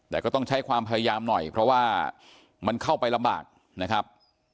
แต่ก็ต้องใช้ความพยายามหน่อยเพราะว่ามันเข้าไปลำบากนะครับ